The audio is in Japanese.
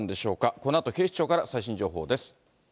このあと警視庁から最新情報です。